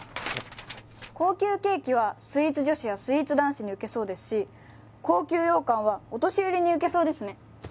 高級ケーキはスイーツ女子やスイーツ男子に受けそうですし高級ようかんはお年寄りに受けそうですね。